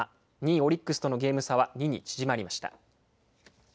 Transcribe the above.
２位オリックスとのゲーム差は２に縮まりました。